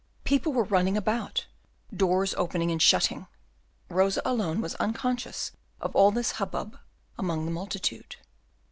People were running about, doors opening and shutting, Rosa alone was unconscious of all this hubbub among the multitude.